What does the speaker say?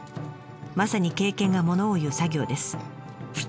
まさに経験がものを言う作業です。